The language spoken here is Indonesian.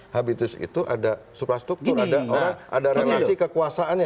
habitus itu ada superstruktur ada relasi kekuasaannya